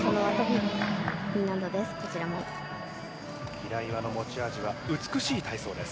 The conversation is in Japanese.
平岩の持ち味は美しい体操です。